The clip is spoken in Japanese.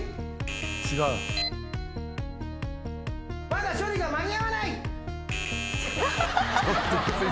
「まだ処理が間に合わない」